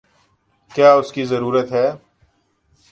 کیا اس کی ضرورت ہے؟